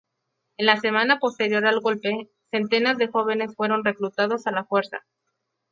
En la semana posterior al golpe, centenas de jóvenes fueron reclutados a la fuerza.